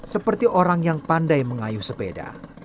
seperti orang yang pandai mengayuh sepeda